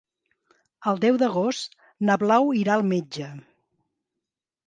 El deu d'agost na Blau irà al metge.